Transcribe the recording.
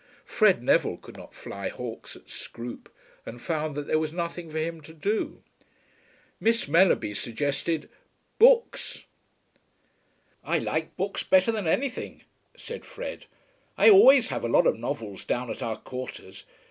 Fred Neville could not fly hawks at Scroope, and found that there was nothing for him to do. Miss Mellerby suggested books. "I like books better than anything," said Fred. "I always have a lot of novels down at our quarters.